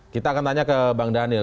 kita akan tanya ke bang daniel